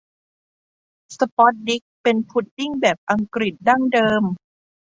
สปอตดิกเป็นพุดดิ้งแบบอังกฤษดั้งเดิม